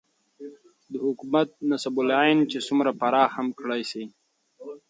دحكومت نصب العين چې څومره هم پراخ كړى سي